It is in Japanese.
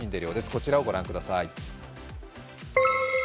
こちらを御覧ください。